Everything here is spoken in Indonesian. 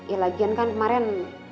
ya lagian kan kemarin